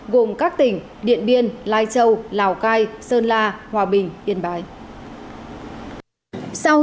gồm các tỉnh điện biên lai châu lào cai sơn la hòa bình yên bái